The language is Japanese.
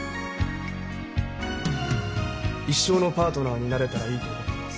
一生のパートナーになれたらいいと思っています。